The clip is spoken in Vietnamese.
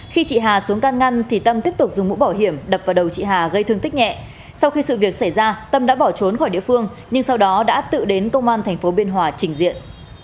khi chị hà xuống can ngăn thì tâm tiếp tục dùng mũ bảo hiểm đập vào đầu chị hà gây thương tích nhẹ sau khi sự việc xảy ra tâm đã bỏ trốn khỏi địa phương nhưng sau đó đã tự đến công an tp biên hòa trình diện